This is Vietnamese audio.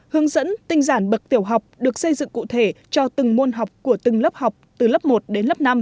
hướng dẫn tinh giản bậc tiểu học được xây dựng cụ thể cho từng môn học của từng lớp học từ lớp một đến lớp năm